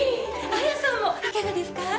綾さんもいかがですか？